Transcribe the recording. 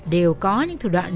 đều có những thử đoạn